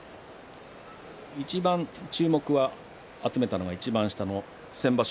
いちばん注目を集めたのがいちばん下の先場所